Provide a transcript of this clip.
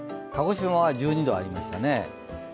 鹿児島は１２度ありましたね。